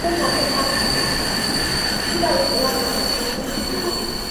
环形山的东侧内壁显示有阶地状结构的痕迹。